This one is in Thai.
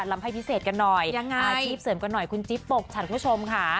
ลำไพ่พิเศษกันหน่อยอาชีพเสริมกันหน่อยคุณจิ๊บปกฉัดคุณผู้ชมค่ะ